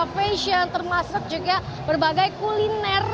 fashion termasuk juga berbagai kuliner